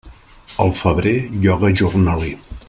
Al febrer, lloga jornaler.